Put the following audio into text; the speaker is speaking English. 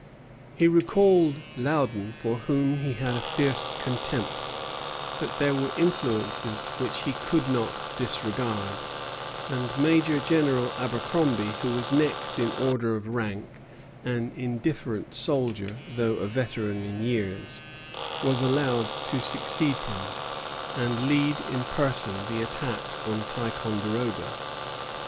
He recalled Loudon, for whom he had a fierce contempt; but there were influences which he could not disregard, and Major General Abercromby, who was next in order of rank, an indifferent soldier, though a veteran in years, was allowed to succeed him, and lead in person the attack on Ticonderoga.